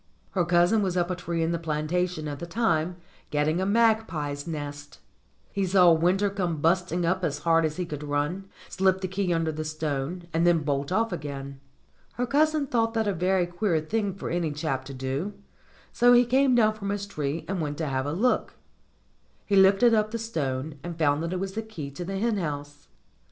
Her cousin was up a tree in the plantation at the time, getting a magpie's nest. He saw Winter come busting up as hard as he could run, slip the key under the stone, and then bolt off again. Her cousin thought that a very queer thing for any chap to do, so he came down from his tree and went to have a look. He lifted up the stone and found that it was the key of the hen house.